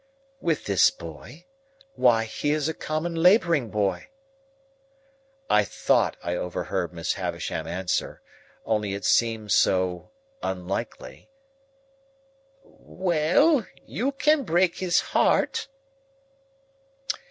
"With this boy? Why, he is a common labouring boy!" I thought I overheard Miss Havisham answer,—only it seemed so unlikely,—"Well? You can break his heart."